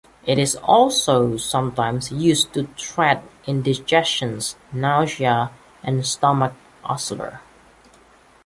It is also sometimes used to treat indigestion, nausea and stomach ulcers.